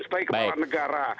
sebagai kepala negara